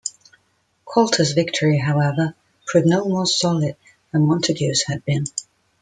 Colter's victory, however, proved no more solid than Montague's had been.